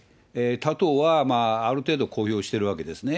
多党はある程度公表してるわけですね。